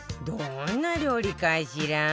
どんな料理かしら？